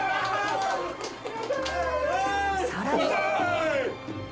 さらに。